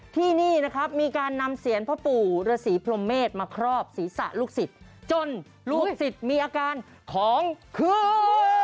ที่นี่นะครับมีการนำเสียนพ่อปู่ฤษีพรมเมษมาครอบศีรษะลูกศิษย์จนลูกศิษย์มีอาการของคือ